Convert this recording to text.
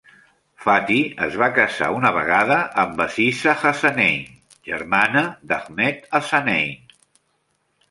Fathy es va casar una vegada, amb Aziza Hassanein, germana d'Ahmed Hassanein.